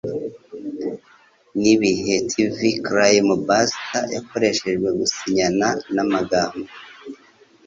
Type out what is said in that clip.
Nibihe Tv Crime Buster Yakoreshejwe Gusinyana Namagambo